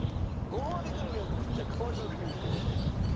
ごほうびグルメをかけた工場クイズでございます。